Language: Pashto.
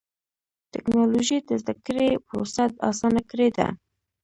ټکنالوجي د زدهکړې پروسه اسانه کړې ده.